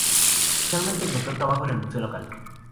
Finalmente encontró trabajo en el museo local.